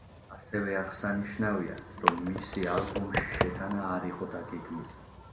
ასევე აღსანიშნავია, რომ მისი ალბომში შეტანა არ იყო დაგეგმილი.